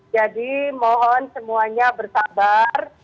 jadi mohon semuanya bersabar